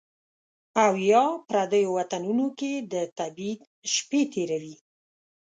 او یا، پردیو وطنونو کې د تبعید شپې تیروي